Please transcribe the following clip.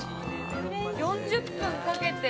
４０分かけて。